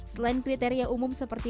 selain kriteria umum seperti